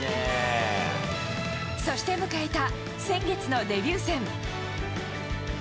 そして迎えた先月のデビュー戦。